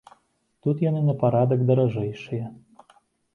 Тут яны на парадак даражэйшыя.